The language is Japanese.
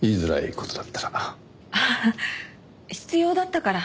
必要だったから。